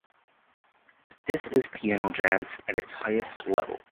This is piano jazz at its highest level.